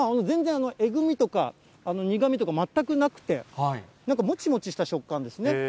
全然、えぐみとか苦みとか全くなくて、なんかもちもちした食感ですね。